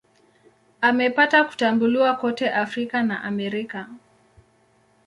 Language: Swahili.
Amepata kutambuliwa kote Afrika na Amerika.